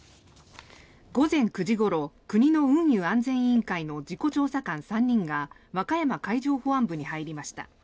午前９時ごろ国の運輸安全委員会の事故調査官３人が和歌山海上保安部に入りました。